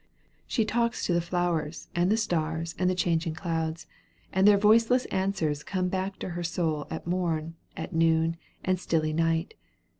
She talks to the flowers, and the stars, and the changing clouds; and their voiceless answers come back to her soul at morn, and noon, and stilly night.